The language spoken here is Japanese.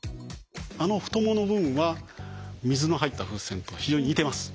あの太ももの部分は水の入った風船と非常に似てます。